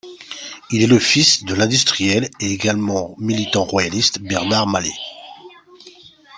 Il est le fils de l'industriel et également militant royaliste Bernard Mallet.